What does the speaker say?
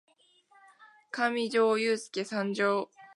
かみじょーゆーすーけ参上！